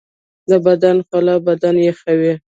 د بدن خوله بدن یخوي